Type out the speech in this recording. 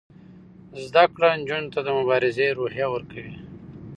زده کړه نجونو ته د مبارزې روحیه ورکوي.